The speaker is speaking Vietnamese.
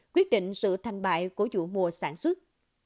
quyết định sự thành bại của vụ mùa sản xuất